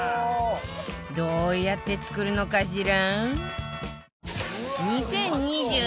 どうやって作るのかしら？